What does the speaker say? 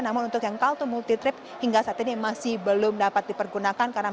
namun untuk yang kaltu multi trip hingga saat ini masih belum dapat dipergunakan